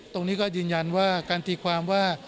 ตรงนี้ก็ยืนยันว่าการตีความว่า